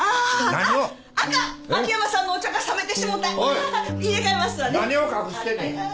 何を隠してんねん。